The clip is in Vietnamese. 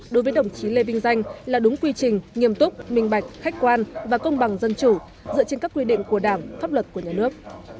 đối với đồng chí lê vinh danh là đúng quy trình nghiêm túc minh bạch khách quan và công bằng dân chủ dựa trên các quy định của đảng pháp luật của nhà nước